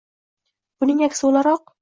Buning aksi o‘laroq